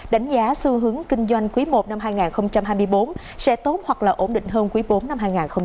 đánh giá xu hướng kinh doanh quý i năm hai nghìn hai mươi bốn sẽ tốt hoặc ổn định hơn quý iv năm hai nghìn hai mươi ba